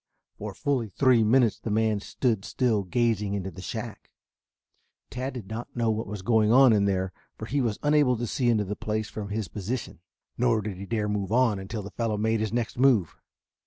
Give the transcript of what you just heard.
For fully three minutes the man stood still gazing into the shack. Tad did not know what was going on in there, for he was unable to see into the place from his position, nor did he dare move on until the fellow made his next move.